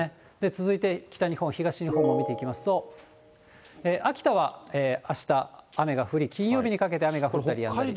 続いて北日本、東日本も見ていきますと、秋田はあした、雨が降る、金曜日にかけて雨が降ったりやんだり。